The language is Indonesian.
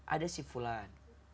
ada si fulan